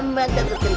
hmm aman dan berkendali